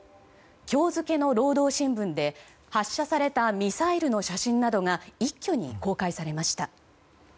今日付の労働新聞で発射されたミサイルの写真などが一挙に公開されました。